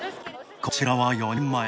こちらは４人前。